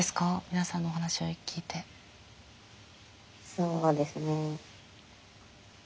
そうですね。